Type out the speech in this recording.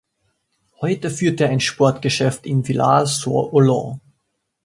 Heute führt er ein Sportgeschäft in Villars-sur-Ollon.